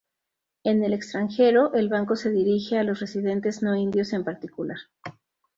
En el extranjero, el banco se dirige a los residentes no indios en particular.